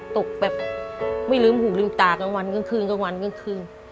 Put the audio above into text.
ตกแบบไม่ลืมหูลืมตากลางวันกลางคืนกลางวันกลางคืน